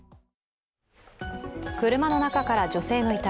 車の中から女性の遺体。